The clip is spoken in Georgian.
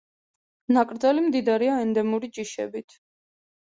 ნაკრძალი მდიდარია ენდემური ჯიშებით.